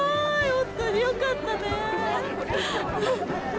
本当によかったねー。